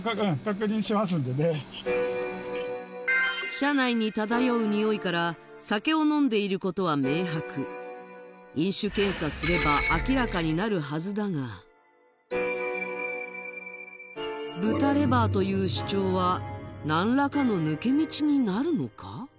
車内に漂うにおいから酒を飲んでいることは明白飲酒検査すれば明らかになるはずだが豚レバーという主張は何らかの抜け道になるのか？